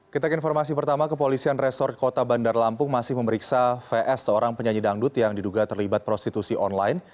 kita ke informasi pertama kepolisian resort kota bandar lampung masih memeriksa vs seorang penyanyi dangdut yang diduga terlibat prostitusi online